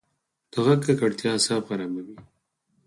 د غږ ککړتیا اعصاب خرابوي.